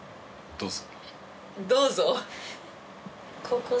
「どうぞ」？